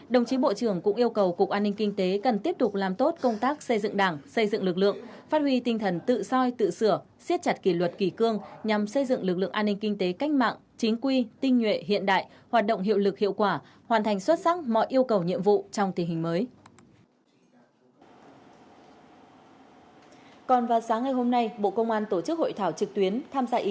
đồng chí bộ trưởng cũng yêu cầu cục an ninh kinh tế cần tiếp tục làm tốt công tác xây dựng đảng xây dựng lực lượng phát huy tinh thần tự soi tự sửa siết chặt kỷ luật kỳ cương nhằm xây dựng lực lượng an ninh kinh tế cách mạng chính quy tinh nhuệ hiện đại hoạt động hiệu lực hiệu quả hoàn thành xuất sắc mọi yêu cầu nhiệm vụ trong tình hình mới